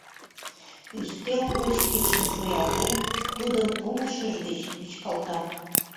Ӱстел гоч кидшым шуялтен, тудым пулышыж гыч вӱчкалта.